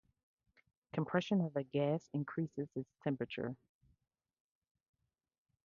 Compression of a gas increases its temperature.